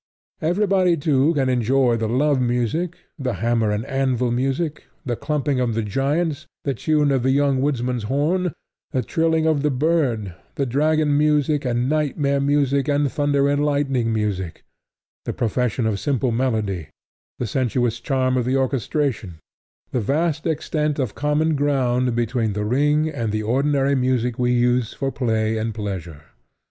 Everybody, too, can enjoy the love music, the hammer and anvil music, the clumping of the giants, the tune of the young woodsman's horn, the trilling of the bird, the dragon music and nightmare music and thunder and lightning music, the profusion of simple melody, the sensuous charm of the orchestration: in short, the vast extent of common ground between The Ring and the ordinary music we use for play and pleasure.